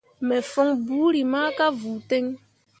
Me fon buuri ma ka vuu ten.